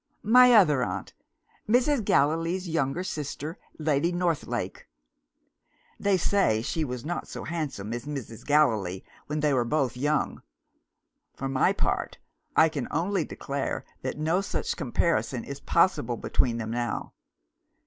My other aunt Mrs. Gallilee's younger sister, Lady Northlake! They say she was not so handsome as Mrs. Gallilee, when they were both young. For my part, I can only declare that no such comparison is possible between them now.